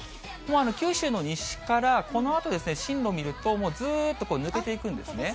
九州の西からこのあと進路見ると、ずっと抜けていくんですね。